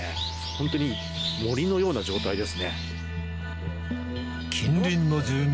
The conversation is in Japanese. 本当に森のような状態ですね。